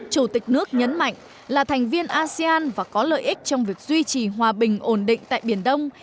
chủ tịch nước nhấn mạnh là thành viên asean và có lợi ích trong việc duy trì hòa bình ổn định tại biển đông